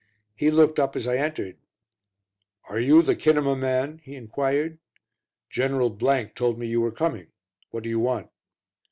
He looked up as I entered. "Are you the Kinema man?" he enquired. "General told me you were coming; what do you want?"